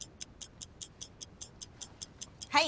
はい。